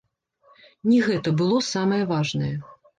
Не гэта было самае важнае!